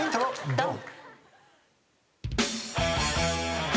ドン！